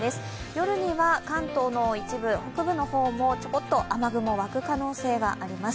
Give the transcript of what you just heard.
夜には関東の一部、北部の方もちょこっと雨雲、湧く可能性があります。